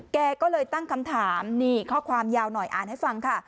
แกก็เลยตั้งคำถามนี่ข้อความยาวหน่อยอ่านให้ฟังค่ะ